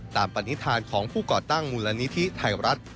ตามประนิษฐานของผู้ก่อตั้งมูลนิธิไทยรัฐ